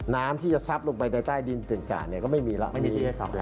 น้ำที่จะซับลงกลับไปในศาลตเตือนก่านก็ไม่มีแล้ว